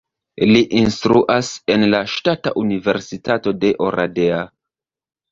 Li instruas en la Ŝtata Universitato de Oradea.